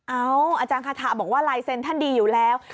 อาจารย์คาถาบอกว่าลายเซ็นต์ท่านดีอยู่แล้ว